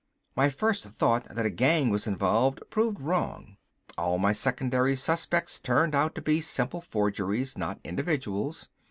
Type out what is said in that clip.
My first thought that a gang was involved proved wrong. All my secondary suspects turned out to be simple forgeries, not individuals.